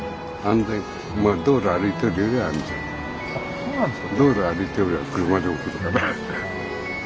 そうなんですか？